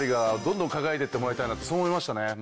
そう思いましたね。